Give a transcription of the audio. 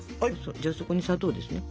じゃあそこに砂糖ですね。